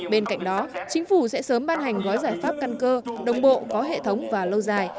bên cạnh đó chính phủ sẽ sớm ban hành gói giải pháp căn cơ đồng bộ có hệ thống và lâu dài